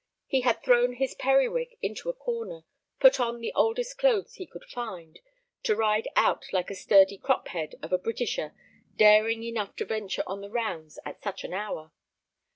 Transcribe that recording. He had thrown his periwig into a corner, put on the oldest clothes he could find, to ride out like a sturdy crop head of a Britisher daring enough to venture on the roads at such an hour.